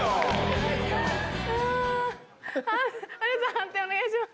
判定お願いします。